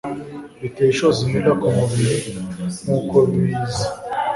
Biteye ishozi Miller kumubiri nkuko biza